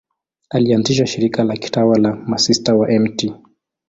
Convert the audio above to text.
Alianzisha shirika la kitawa la Masista wa Mt.